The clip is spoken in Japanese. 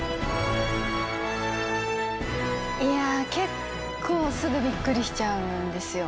いや、結構すぐびっくりしちゃうんですよ。